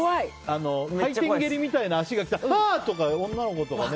回転蹴りみたいな足がきてはっ！とか女の子とかね。